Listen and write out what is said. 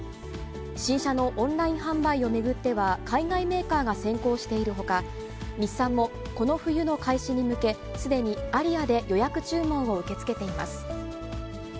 新車のオンライン販売を巡っては、海外メーカーが先行しているほか、日産もこの冬の開始に向け、すでにアリアで予約注文を受け付けています。